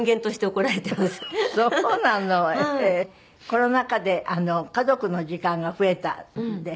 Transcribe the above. コロナ禍で家族の時間が増えたんで。